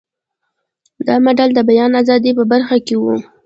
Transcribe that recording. دا مډال د بیان ازادۍ په برخه کې و.